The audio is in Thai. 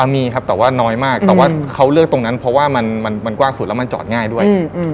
มีครับแต่ว่าน้อยมากแต่ว่าเขาเลือกตรงนั้นเพราะว่ามันกว้างสุดแล้วมันจอดง่ายด้วย